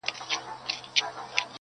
هغه د خلکو له سترګو ځان پټ ساتي تل,